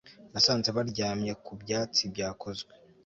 nasanze baryamye ku byatsi byakozwe